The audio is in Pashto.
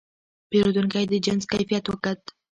پیرودونکی د جنس کیفیت وکت.